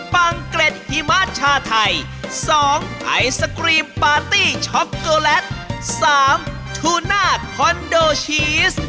ปังเกร็ดหิมะชาไทย๒ไอศกรีมปาร์ตี้ช็อกโกแลต๓ทูน่าคอนโดชีส